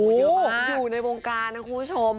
คือผมอยู่ในวงการนะคุณผู้ชม